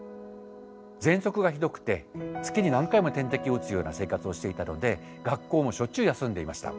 ぜんそくがひどくて月に何回も点滴を打つような生活をしていたので学校もしょっちゅう休んでいました。